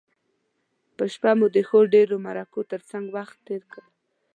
په شپه مو د ښو ډیرو مرکو تر څنګه وخت تیر کړ.